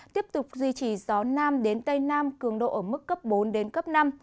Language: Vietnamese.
tiếp tục duy trì gió nam đến tây nam cường độ ở mức cấp bốn đến cấp năm